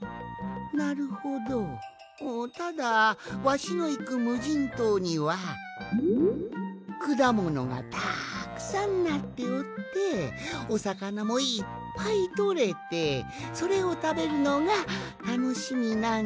なるほどただわしのいくむじんとうにはくだものがたくさんなっておっておさかなもいっぱいとれてそれをたべるのがたのしみなんじゃが。